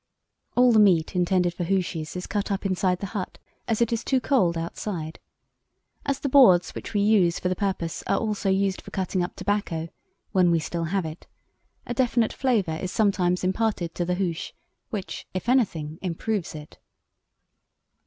"All the meat intended for hooshes is cut up inside the hut, as it is too cold outside. As the boards which we use for the purpose are also used for cutting up tobacco, when we still have it, a definite flavour is sometimes imparted to the hoosh, which, if anything, improves it."